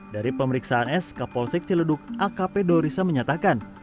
dari pemeriksaan s kapolsek ciledug akp dorisa menyatakan